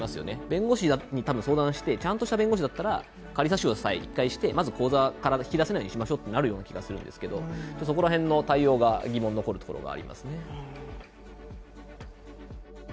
弁護士に相談して、ちゃんとした弁護士だったら、仮差し押さえしてまず口座から引き出せないようにしましょうとなると思うんですけどそこら辺の対応が疑問が残るところがありますよね。